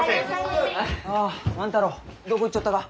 ああ万太郎どこ行っちょったが？